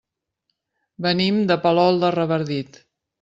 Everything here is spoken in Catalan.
Venim de Palol de Revardit.